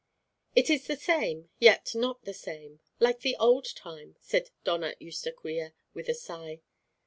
"It is the same, yet not the same like the old time," said Doña Eustaquia, with a sigh.